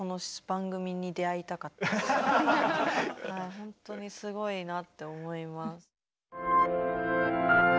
ほんとにすごいなって思います。